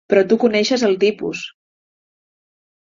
Però tu coneixes el tipus.